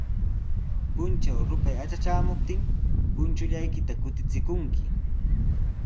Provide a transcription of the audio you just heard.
Puntraw rupay atratraamuptin, punchullaykita kutichikunki.